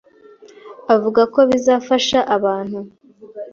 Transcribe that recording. avuga ko bizafasha abantu